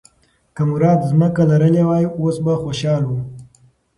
که مراد ځمکه لرلی وای، اوس به خوشاله و.